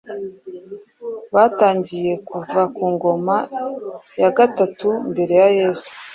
Batangiye kuva ku ngoma ya gatatu mbere ya Yesu